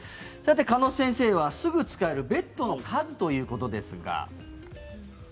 鹿野先生は、すぐ使えるベッドの数ということですが。